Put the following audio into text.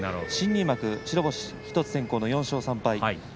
新入幕白星１つ先行の４勝３敗。